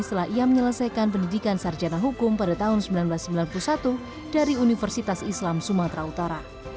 setelah ia menyelesaikan pendidikan sarjana hukum pada tahun seribu sembilan ratus sembilan puluh satu dari universitas islam sumatera utara